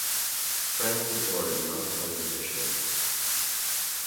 Frantz was born in Mount Clemens, Michigan.